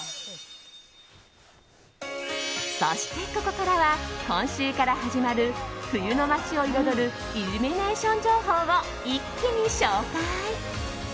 そしてここからは今週から始まる冬の街を彩るイルミネーション情報を一気に紹介。